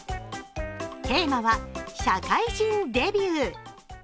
テーマは「社会人デビュー」。